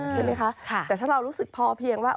แต่ถ้าเรารู้สึกพอเพียงว่า